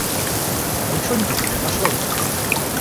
Ручонки тебе на что даны?